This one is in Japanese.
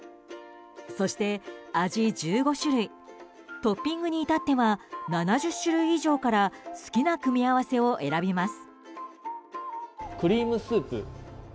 そして、味１５種類トッピングに至っては７０種類以上から好きな組み合わせを選びます。